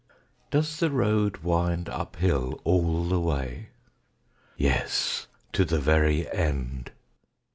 Does the road wind up hill all the way? Yes, to the very end.